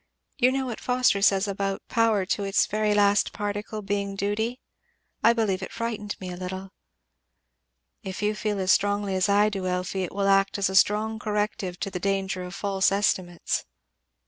You know what Foster says about 'power to its very last particle being duty' I believe it frightened me a little." "If you feel that as strongly as I do, Elfie, it will act as a strong corrective to the danger of false estimates."